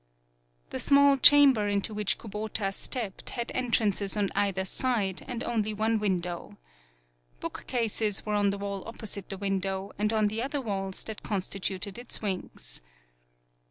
The small chamber into which Ku bota stepped, had entrances on either side, and only one window. Book cases were on the wall opposite the win dow, and on the other walls that con stituted its wings.